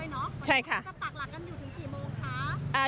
วันนี้จะปักหลักกันอยู่ถึงกี่โมงคะ